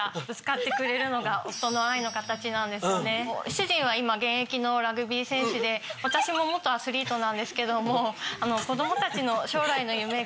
主人は今現役のラグビー選手で私も元アスリートなんですけども子供たちの将来の夢が。